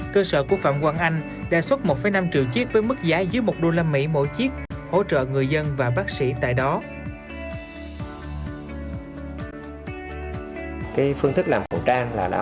cơ sở của phạm quang anh đề xuất một năm triệu chiếc với mức giá dưới một usd mỗi chiếc hỗ trợ người dân và bác sĩ tại đó